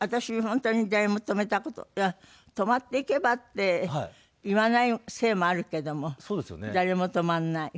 本当に誰も泊めた事「泊まっていけば？」って言わないせいもあるけども誰も泊まんない。